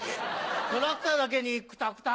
トラクターだけにクタクタ。